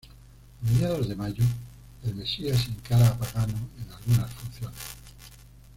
A mediados de mayo, El Mesías encara a Pagano en algunas funciones.